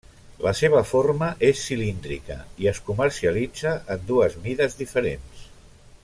La seva forma és cilíndrica, i es comercialitza en dues mides diferents.